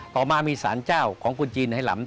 ต่อมามีสารเจ้าของคนจีนให้หลำ